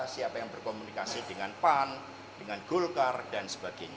siapa yang berkomunikasi dengan pan dengan golkar dan sebagainya